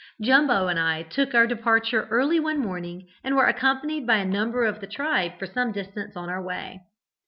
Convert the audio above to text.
"Jumbo and I took our departure early one morning, and were accompanied by a number of the tribe for some distance on our way.